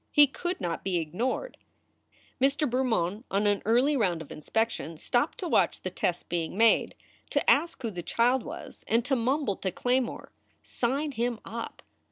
He could not be ignored. Mr. Bermond, on an early round of inspection, stopped to watch the test being made, to ask who the child was, and to mumble to Claymore, "Sign him up!"